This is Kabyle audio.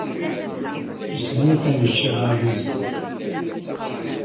Nesmenyif ad nečč iɣraren azekka.